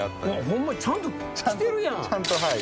ホンマやちゃんと着てるやん。